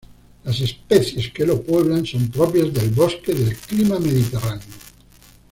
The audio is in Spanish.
Las especies que lo pueblan son propias del bosque del clima mediterráneo.